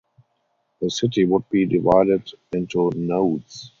The city would be divided into nodes.